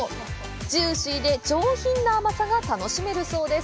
ジューシーで上品な甘さが楽しめるそうです。